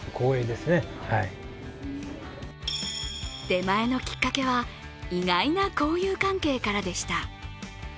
出前のきっかけは、意外な交友関係からでした。